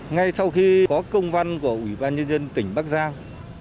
ngay sau khi có công văn của ủy ban nhân dân tỉnh bắc giang